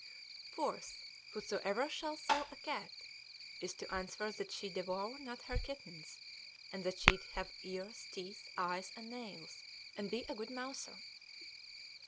4th. Whosoever shall sell a cat (cath) is to answer that she devour not her kittens, and that she have ears, teeth, eyes, and nails, and be a good mouser.